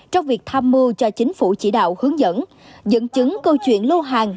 trong việc tham mưu cho chính phủ chỉ đạo hướng dẫn dẫn chứng câu chuyện lô hàng